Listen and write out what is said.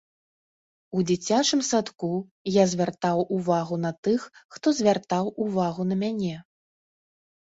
У дзіцячым садку я звяртаў увагу на тых, хто звяртаў увагу на мяне.